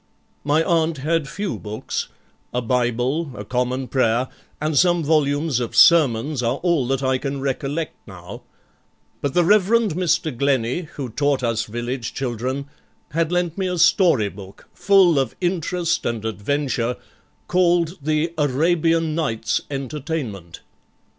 My aunt had few books; a Bible, a Common Prayer, and some volumes of sermons are all that I can recollect now; but the Reverend Mr. Glennie, who taught us village children, had lent me a story book, full of interest and adventure, called the Arabian Nights Entertainment.